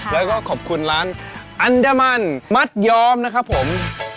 แล้วก็ขอบคุณร้านอันดามันมัดยอมนะครับผม